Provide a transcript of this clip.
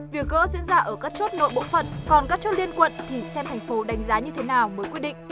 việc gỡ diễn ra ở các chốt nội bộ phận còn các chốt liên quận thì xem thành phố đánh giá như thế nào mới quyết định